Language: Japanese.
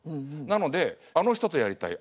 なので「あの人とやりたい」